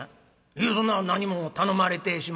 「いえそんな何も頼まれてしまへん」。